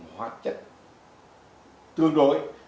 càng cao tốt hoạt chất tương đối